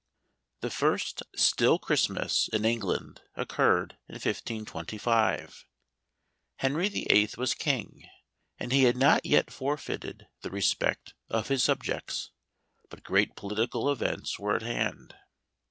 HE first "Still Christmas" in England occurred in 1525. Henry the Eighth was king, and he had not yet forfeited the respect of his subjects ; but great political events were at hand.